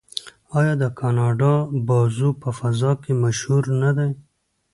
آیا د کاناډا بازو په فضا کې مشهور نه دی؟